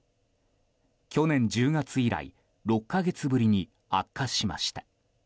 去年１０月以来６か月ぶりに悪化しました。